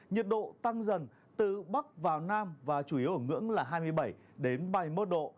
nhiệt độ tăng dần từ bắc vào nam và chủ yếu ở ngưỡng là hai mươi bảy ba mươi một độ